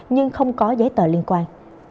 nhưng không có giấy tờ liên quan